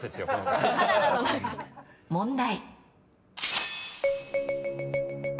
問題。